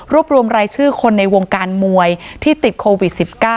รวมรวมรายชื่อคนในวงการมวยที่ติดโควิด๑๙